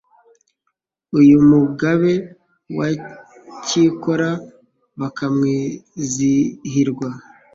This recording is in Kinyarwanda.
Uyu Mugabe wa Cyikora Bakamwizihirwa